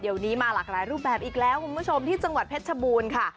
เดี๋ยวนี้มาหลากหลายรูปแบบอีกแล้วคุณผู้ชมที่จังหวัดเพชรชบูรณ์ค่ะ